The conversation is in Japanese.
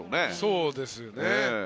そうですよね。